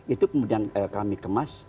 itu kemudian kami kemas